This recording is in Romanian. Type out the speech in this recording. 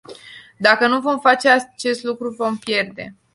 Dacă nu vom face acest lucru, vom pierde.